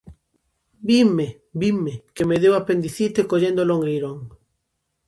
Vinme, vinme que me deu apendicite collendo longueirón.